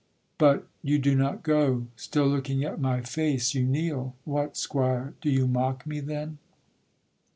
_ But You do not go; still looking at my face, You kneel! what, squire, do you mock me then?